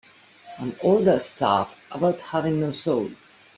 And all that stuff about having no soul.